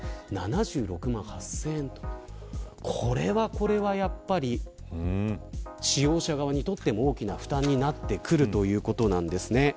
これはやっぱり使用者側にとっても大きな負担になってくるということなんですね。